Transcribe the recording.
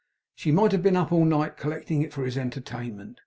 She might have been up all night, collecting it for his entertainment.